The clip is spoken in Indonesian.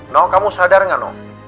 noh kamu sadar gak noh